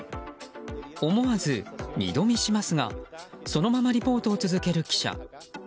思わず二度見しますがそのままリポートを続ける記者。